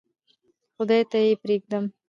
خدای ته یې پرېږدم.